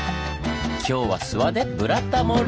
今日は諏訪で「ブラタモリ」！